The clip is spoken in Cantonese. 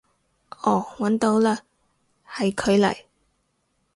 哦搵到嘞，係佢嚟